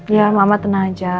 iya mama tenang aja